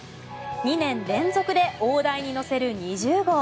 ２年連続で大台に乗せる２０号。